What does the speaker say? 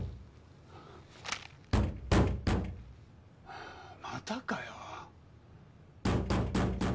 はあまたかよ。